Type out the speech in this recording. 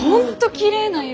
きれいな色。